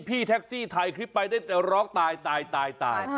พี่แท็กซี่ไทยได้ต็อรมด์ตายตายตาย